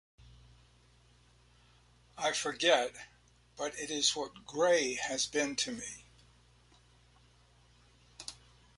I forget; but it is what Gray has been to me.